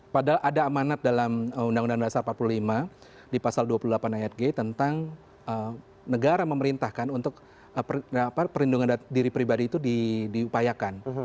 padahal ada amanat dalam undang undang dasar empat puluh lima di pasal dua puluh delapan ayat g tentang negara memerintahkan untuk perlindungan diri pribadi itu diupayakan